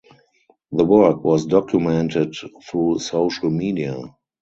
The work was documented through social media.